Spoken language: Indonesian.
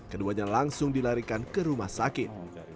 keduanya langsung dilarikan ke rumah sakit